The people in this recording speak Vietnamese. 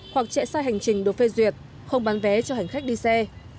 hoặc chạy xa hành trình đột phê duyệt không bán vé cho hành khách đi xe